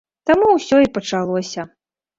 Там усё і пачалося.